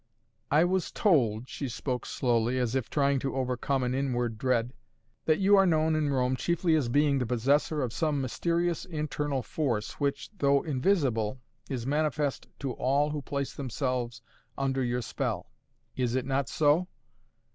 "I was told," she spoke slowly, as if trying to overcome an inward dread, "that you are known in Rome chiefly as being the possessor of some mysterious internal force which, though invisible, is manifest to all who place themselves under your spell! Is it not so?"